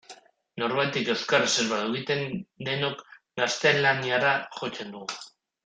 Norbaitek euskaraz ez badu egiten denok gaztelaniara jotzen dugu.